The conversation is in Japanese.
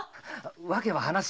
訳は話す。